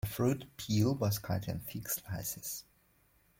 The fruit peel was cut in thick slices.